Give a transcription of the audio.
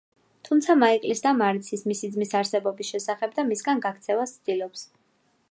თუმცა მაიკლის დამ არ იცის მისი ძმის არსებობის შესახებ და მისგან გაქცევას ცდილობს.